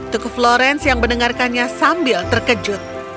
tuku florence yang mendengarkannya sambil terkejut